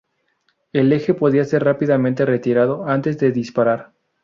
El eje podía ser rápidamente retirado antes de disparar.